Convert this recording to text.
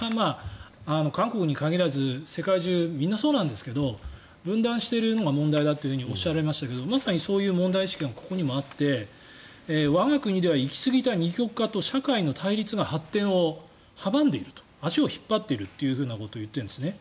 韓国に限らず世界中、みんなそうなんですけど分断しているのが問題だとおっしゃられましたけれどまさにそういう問題意識がここにもあって我が国では行き過ぎた二極化と社会の対立が発展を阻んでいると足を引っ張っているということを言っているんですね。